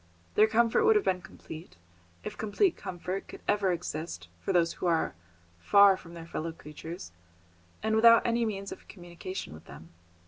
Their comfort would have been complete, if complete comfort could ever exist for those who are far from their fellow creatures, and without any means of communication with them.